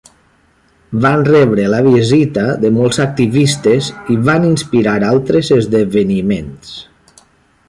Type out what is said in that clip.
Van rebre la visita de molts activistes i van inspirar altres esdeveniments.